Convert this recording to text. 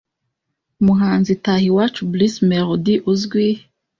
Umuhanzi Itahiwacu Bruce Melodie uzwi